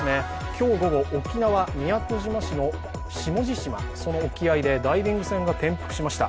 今日午後沖縄・宮古島市の下地島、その沖合でダイビング船が転覆しました。